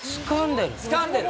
つかんでいる。